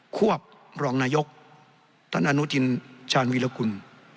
ควบรองนายกท่านอนุทินชาญวีรกุล